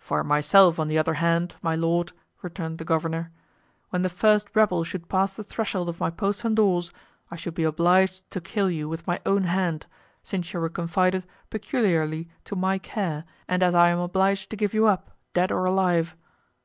"For myself, on the other hand, my lord," returned the governor, "when the first rebel should pass the threshold of my postern doors I should be obliged to kill you with my own hand, since you were confided peculiarly to my care and as I am obliged to give you up, dead or alive."